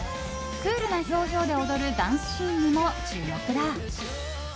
クールな表情で踊るダンスシーンにも注目だ。